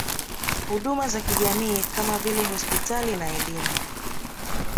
Huduma za kijamii kama vile hospitali na elimu